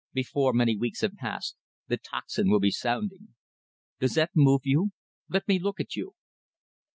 Before many weeks have passed, the tocsin will be sounding. Does that move you? Let me look at you."